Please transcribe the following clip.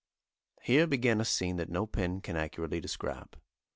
Here began a scene that no pen can accurately describe.